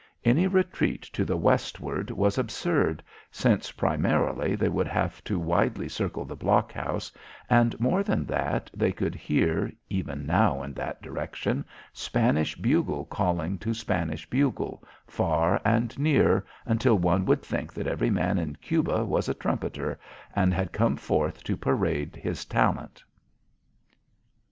Any retreat to the westward was absurd, since primarily they would have to widely circle the blockhouse, and more than that, they could hear, even now in that direction, Spanish bugle calling to Spanish bugle, far and near, until one would think that every man in Cuba was a trumpeter, and had come forth to parade his talent.